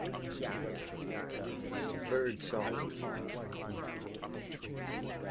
BIRD SONG.